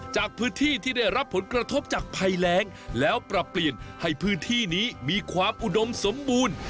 จากพื้นที่ที่ได้รับผลกระทบจากภัยแรงแล้วปรับเปลี่ยนให้พื้นที่นี้มีความอุดมสมบูรณ์